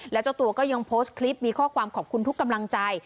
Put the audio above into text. แล้วเจ้าตัวก็ยังโพสต์คลิปมีข้อความขอบคุณทุกกำลังใจ